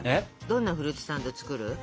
どんなフルーツサンド作る？